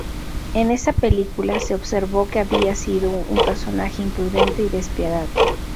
En esa película, se observó que había sido un personaje imprudente y despiadado.